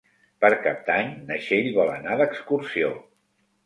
Per Cap d'Any na Txell vol anar d'excursió.